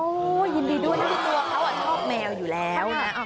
โอ้ยยินดีด้วยนักที่ตัวเขาอ่ะชอบแมวอยู่แล้วนะ